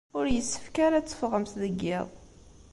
Ur yessefk ara ad teffɣemt deg yiḍ.